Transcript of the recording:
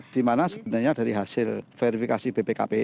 dimana sebenarnya dari hasil verifikasi bpkp